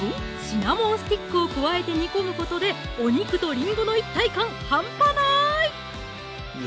シナモンスティックを加えて煮込むことでお肉とりんごの一体感半端ない！